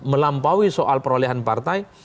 melampaui soal perolehan partai